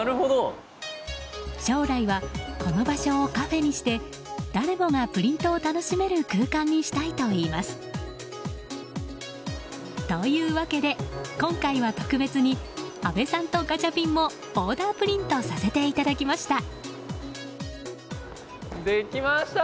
将来的にはこの場所をカフェにして誰もがプリントを楽しめる空間にしたいといいます。というわけで、今回は特別に阿部さんとガチャピンもオーダープリントさせていただきました。